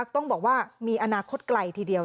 ต้องบอกว่ามีอนาคตไกลทีเดียว